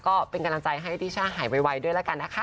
ก็เป็นกำลังใจให้พี่ช่าหายไวด้วยละกันนะคะ